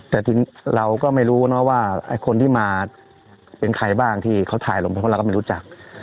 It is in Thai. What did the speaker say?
แต่ทีนี้เราก็ไม่รู้นะว่าไอ้คนที่มาเป็นใครบ้างที่เขาถ่ายลงไปเพราะเราก็ไม่รู้จัก